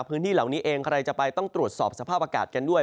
พื้นที่เหล่านี้เองใครจะไปต้องตรวจสอบสภาพอากาศกันด้วย